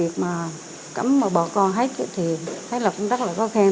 cấm bà con hết thì thấy là cũng rất là có khen